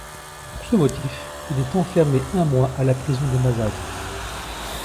Pour ce motif, il est enfermé un mois à la prison de Mazas.